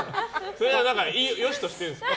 それを良しとしてるんですか？